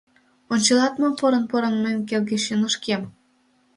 Ончалат мо порын-порын Мыйын келге чонышкем?